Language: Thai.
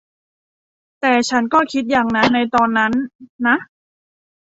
แต่ฉันก็คิดอย่างนั้นในตอนนั้นนะ